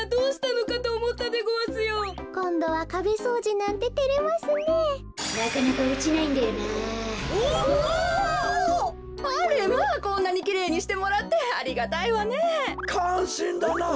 こんなにきれいにしてもらってありがたいわねえ。